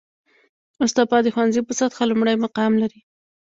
مصطفی د ښوونځي په سطحه لومړی مقام لري